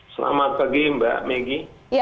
selamat pagi mbak megi